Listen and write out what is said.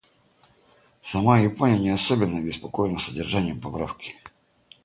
Сама Япония не особенно обеспокоена содержанием поправки.